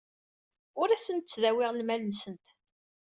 Ur asent-ttdawiɣ lmal-nsent.